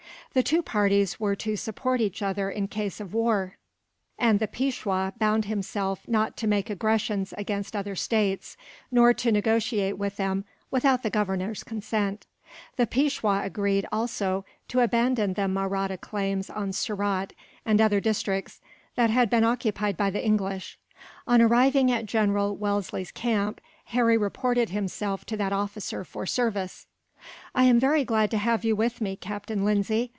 The two parties were to support each other in case of war, and the Peishwa bound himself not to make aggressions against other states, nor to negotiate with them without the Governor's consent. The Peishwa agreed, also, to abandon the Mahratta claims on Surat, and other districts that had been occupied by the English. On arriving at General Wellesley's camp, Harry reported himself to that officer for service. "I am very glad to have you with me, Captain Lindsay.